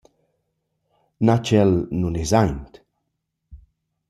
Na ch’el nun es aint!